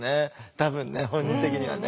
多分ね本人的にはね。